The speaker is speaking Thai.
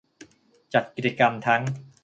จัดกิจกรรมทั้ง